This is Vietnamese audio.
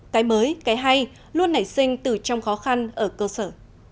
cái mới cái hay luôn nảy sinh từ trong khó khăn ở cơ sở